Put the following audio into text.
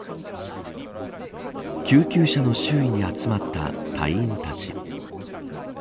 救急車の周囲に集まった隊員たち。